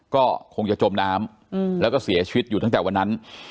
ก็คงจะจมน้ำแล้วก็เสียชีวิตอยู่ตั้งแต่วันนั้น